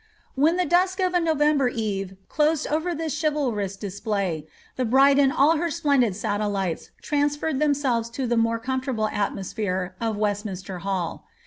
When the dusk of a November eve closed over this chivalrous dis play, the bride and all her splendid satellites transferred themselves to the more comfortable atmosphere of Westminster Hall.